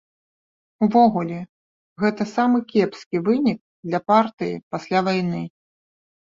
Увогуле, гэта самы кепскі вынік для партыі пасля вайны.